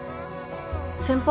先輩？